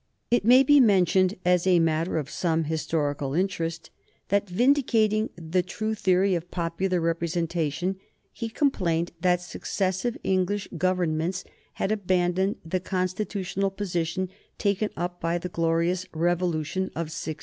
It may be mentioned, as a matter of some historical interest, that, vindicating the true theory of popular representation, he complained that successive English Governments had abandoned the constitutional position taken up by the glorious Revolution of 1688.